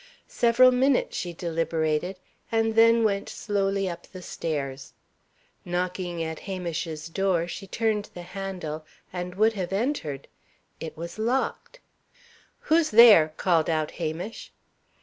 Several minutes she deliberated, and then went slowly up the stairs. Knocking at Hamish's door, she turned the handle, and would have entered. It was locked. "Who's there?" called out Hamish.